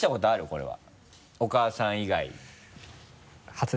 これは。